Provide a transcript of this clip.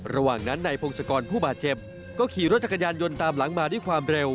ระหว่างนั้นนายพงศกรผู้บาดเจ็บก็ขี่รถจักรยานยนต์ตามหลังมาด้วยความเร็ว